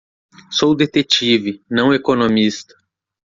Sou detetive? não economista.